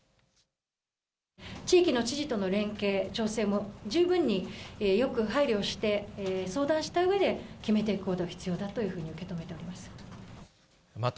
地域の知事との連携、調整を十分によく配慮して、相談したうえで、決めていくことが必要だというふうに受け止めております。